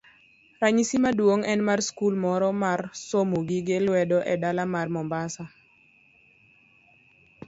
Ranyisi maduong' en mar skul moro mar somo gige lwedo e dala mar Mombasa.